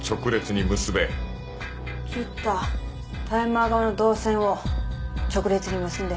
切ったタイマー側の導線を直列に結んで。